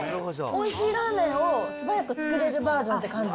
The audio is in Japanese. おいしいラーメンを素早く作れるバージョンって感じ。